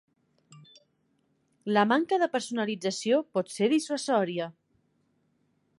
La manca de personalització pot ser dissuasòria.